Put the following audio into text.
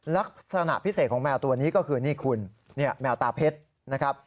ลักษณะพิเศษของแมวตัวนี้ก็คือนี่คุณแมวตาเพชรนะครับ